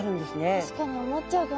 確かに思っちゃうかも。